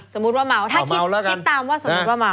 สมมุติว่าเมาถ้าคิดตามว่าสมมุติว่าเมา